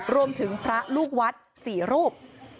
รวมถึงพระลูกวัดสี่รูป